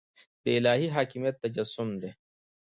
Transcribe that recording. د الهي حاکمیت تجسم دی.